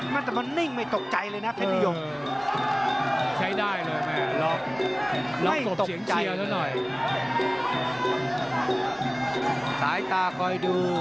มันจะมัดนิ่งไม่ตกใจเลยน่ะเพชรพียกแข่ได้เลยแม่เหลอกกบเสียงเชียนะสักหน่อย